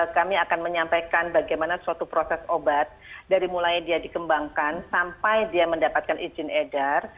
kami akan menyampaikan bagaimana suatu proses obat dari mulai dia dikembangkan sampai dia mendapatkan izin edar